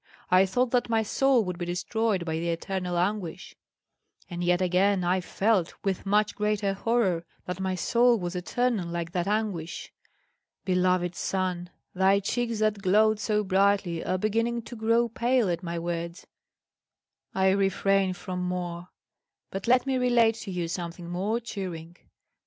I thought that my soul would be destroyed by the eternal anguish; and yet again I felt, with much greater horror, that my soul was eternal like that anguish. Beloved son, thy cheeks that glowed so brightly are beginning to grow pale at my words. I refrain from more. But let me relate to you something more cheering.